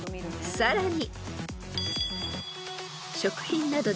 ［さらに］